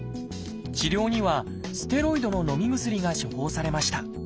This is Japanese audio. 治療にはステロイドののみ薬が処方されました。